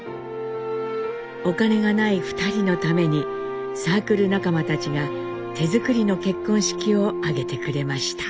お金がない２人のためにサークル仲間たちが手作りの結婚式を挙げてくれました。